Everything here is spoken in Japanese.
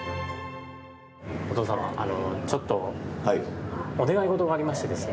お父様ちょっとお願いごとがありましてですね。